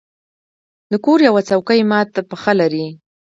د کور یوه څوکۍ مات پښه لرله.